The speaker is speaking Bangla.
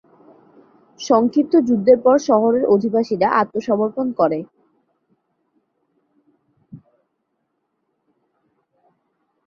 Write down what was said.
সংক্ষিপ্ত যুদ্ধের পর শহরের অধিবাসীরা আত্মসমর্পণ করে।